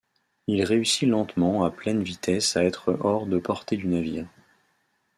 Il réussit lentement à pleine vitesse à être hors de portée du navire.